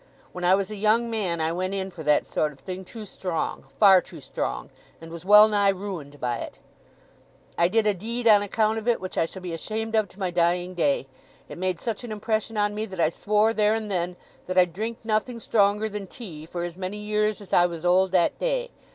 "When I was a young man I went in for that sort of thing too strong—far too strong—and was well nigh ruined by it! I did a deed on account of it which I shall be ashamed of to my dying day. It made such an impression on me that I swore, there and then, that I'd drink nothing stronger than tea for as many years as I was old that day.